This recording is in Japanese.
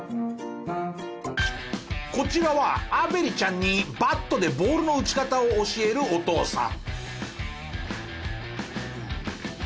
こちらはアヴェリちゃんにバットでボールの打ち方を教えるお父さん。